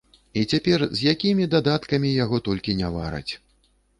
І цяпер з якімі дадаткамі яго толькі не вараць.